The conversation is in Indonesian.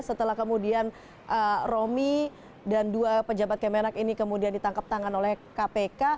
setelah kemudian romi dan dua pejabat kemenak ini kemudian ditangkap tangan oleh kpk